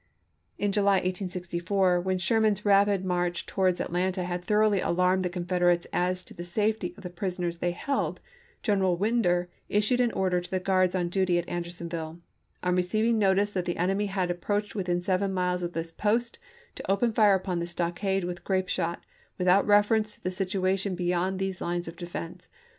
In July, 1864, when Sherman's rapid march towards Atlanta had thoroughly alarmed the Confederates as to the safety of the prisoners they held, General Winder issued an order to the guards on duty at Andersonville, "on receiving notice that the enemy have approached within seven miles of this post to open fire upon the stockade with grape shot, without reference to the situation beyond these lines of defense.